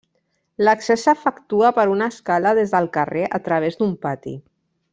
L'accés s'efectua per una escala des del carrer a través d'un pati.